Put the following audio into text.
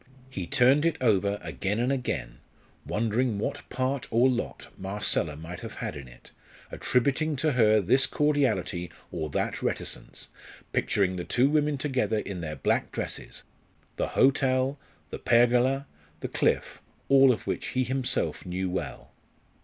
He turned it over again and again, wondering what part or lot Marcella might have had in it, attributing to her this cordiality or that reticence; picturing the two women together in their black dresses the hotel, the pergola, the cliff all of which he himself knew well.